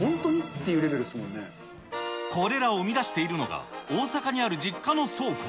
っこれらを生み出しているのが、大阪にある実家の倉庫。